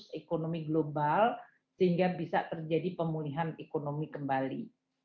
ekonomi global sehingga bisa terjadi pemulihan ekonomi kembali